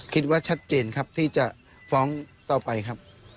คิดว่าชัดเจนครับที่จะฟ้องต่อไปครับ